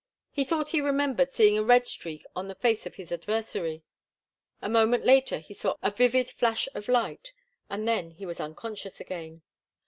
He thought he remembered seeing a red streak on the face of his adversary. A moment later he saw a vivid flash of light, and then he was unconscious again.